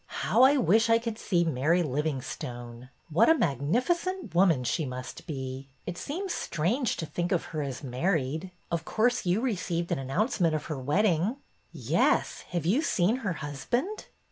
How I wish I could see Mary Livingstone! What a magnifi cent woman she must be! It seems strange to think of her as married. Of course you received an announcement of her wedding ?'' Yes. Have you seen her husband?"